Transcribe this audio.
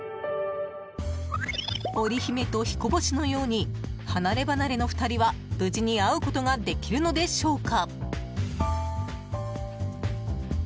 織姫と彦星のように離ればなれの２人は無事に会うことができるのでしょうか？